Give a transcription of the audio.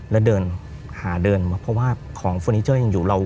แล้วเดินหาเดินมาเพราะว่าของเฟอร์นิเจอร์ยังอยู่เรา